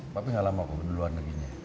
papi enggak lama ke duluan lagi ya